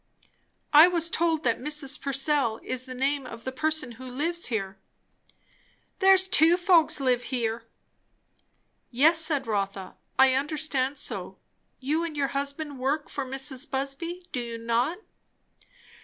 "I was told that Mrs. Purcell is the name of the person who lives here?" "There's two folks lives here." "Yes," said Rotha, "I understood so. You and your husband work for Mrs. Busby, do you not?"